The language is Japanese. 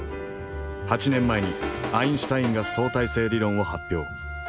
８年前にアインシュタインが相対性理論を発表。